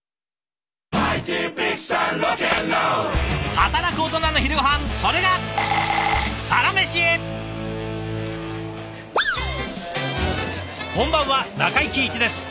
働くオトナの昼ごはんそれがこんばんは中井貴一です。